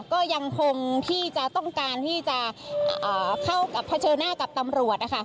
ก็ยังคงที่จะต้องการที่จะเข้ากับเผชิญหน้ากับตำรวจนะคะ